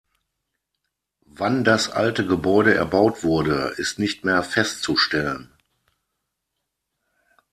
Wann das alte Gebäude erbaut wurde ist nicht mehr festzustellen.